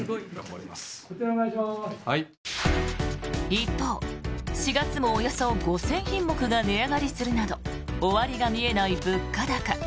一方、４月もおよそ５０００品目が値上がりするなど終わりが見えない物価高。